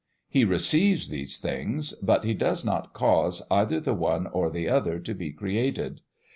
He receives these things, but he does not cause either the one or the other to be created.